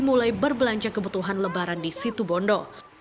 mulai berbelanja kebutuhan lebaran di situ bondo